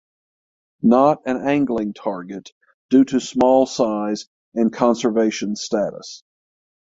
Not an angling target due to small size and conservation status.